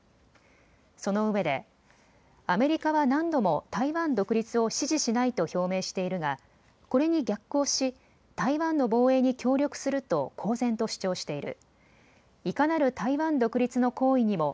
そのうえでアメリカは何度も台湾独立を支持しないと表明しているがこれに逆行し台湾の防衛に協力すると公然と主張している。